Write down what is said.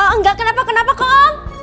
enggak kenapa kenapa om